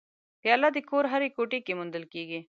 پیاله د کور هرې کوټې کې موندل کېږي.